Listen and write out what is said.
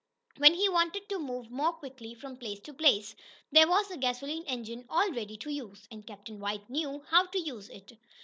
When he wanted to move more quickly from place to place, there was the gasoline engine all ready to use. And Captain White knew how to use it.